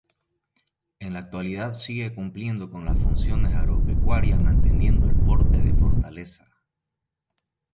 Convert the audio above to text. En la actualidad sigue cumpliendo con las funciones agropecuarias manteniendo el porte de fortaleza.